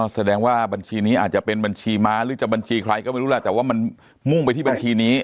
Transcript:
แสดงว่าบัญชีนี้อาจจะเป็นบัญชีม้าหรือจะบัญชีใครก็ไม่รู้แหละแต่ว่ามันมุ่งไปที่บัญชีนี้